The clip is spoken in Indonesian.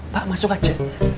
pak masuk aja